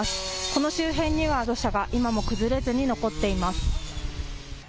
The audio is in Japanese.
この周辺には土砂が今も崩れずに残っています。